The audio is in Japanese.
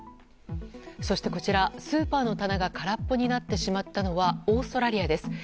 そして、こちらスーパーの棚が空っぽになってしまったのはオーストラリアです。